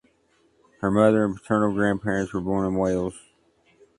Her mother and paternal grandparents were born in Wales.